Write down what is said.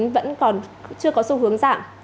vẫn còn chưa có xu hướng dạng